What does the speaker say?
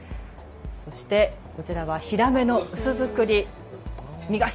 そしてこちらはヒラメの薄造り。